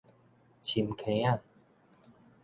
深坑